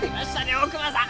大窪さん！